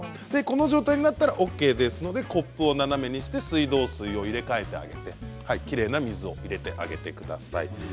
この状態になったらＯＫですのでコップを斜めにして水道水を入れ替えてあげてきれいな水を入れてあげてください。